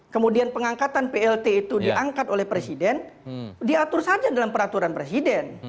kemudian pengangkatan plt itu diangkat oleh presiden diatur saja dalam peraturan presiden